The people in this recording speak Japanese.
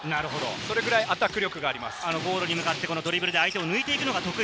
それくらいアタック力があります。